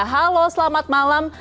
halo selamat malam